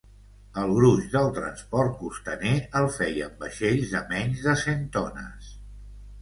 El gruix del transport costaner el feien vaixells de menys de cent tones.